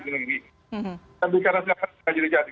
tapi karena vaksin nggak jadi jadi